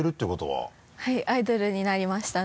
はいアイドルになりました。